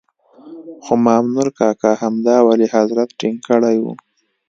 خو مامنور کاکا همدا ولي حضرت ټینګ کړی وو.